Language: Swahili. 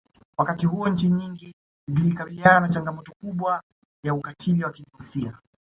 Wakati huo nchi nyingi zikikabiliana na changamoto kubwa ya ukatili wa kijinsia